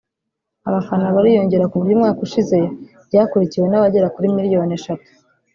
abafana bariyongera ku buryo umwaka ushize ryakurikiwe n’abagera kuri miliyoni eshatu